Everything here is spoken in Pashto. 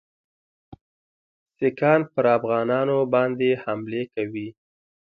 سیکهان پر افغانانو باندي حملې کوي.